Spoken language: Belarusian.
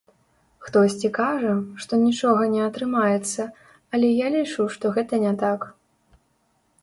Хтосьці кажа, што нічога не атрымаецца, але я лічу, што гэта не так.